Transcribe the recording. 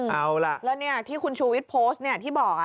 เอาล่ะแล้วที่คุณชูวิทย์โพสต์ที่บอก